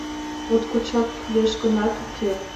— Моткочак кӱлеш гынат, уке...